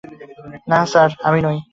না, স্যার, আমি নই।